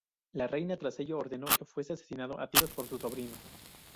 La reina, tras ello, ordenó que fuese asesinado a tiros por su sobrino.